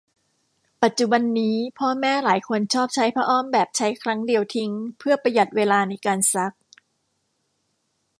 ปัจจุบันนี้พ่อแม่หลายคนชอบใช้ผ้าอ้อมแบบใช้ครั้งเดียวทิ้งเพือประหยัดเวลาในการซัก